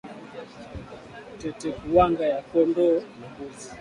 Tetekuwanga ya kondoo na mbuzi